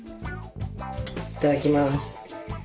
いただきます。